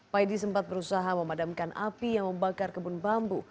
paidi sempat berusaha memadamkan api yang membakar kebun bambu